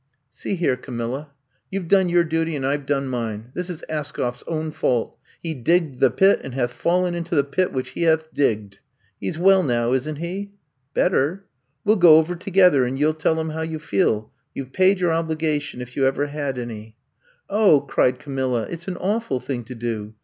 '* See here, Camilla, you Ve done your duty and I Ve done mine. This is Askoff 's own fault. He digged the pit and hath fallen into the pit which he hath digged. He 's well now, is n't he f ^^Better.'' We '11 go over together, and you '11 tell him how you feel. You 've paid your obli gation — ^if you ever had any." 0h," cried Camilla, *4t 's an awful thing to do.